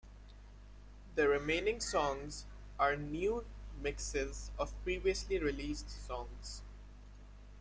The remaining songs are new mixes of previously released songs.